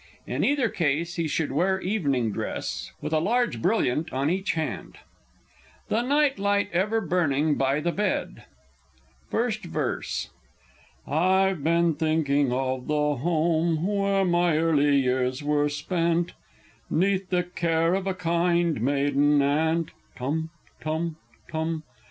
In either case he should wear evening dress, with a large brilliant on each hand. THE NIGHT LIGHT EVER BURNING BY THE BED. First Verse. I've been thinking of the home where my early years were spent, 'Neath the care of a kind maiden aunt, (Tum tum tum!)